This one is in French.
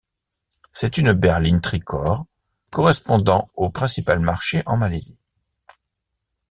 C'est une berline tri-corps, correspondant au principal marché en Malaisie.